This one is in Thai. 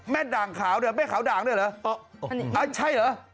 แม่ขาวด่างเท่านั้นเหรอ